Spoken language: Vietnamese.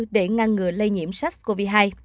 để ngăn ngừa lây nhiễm sars cov hai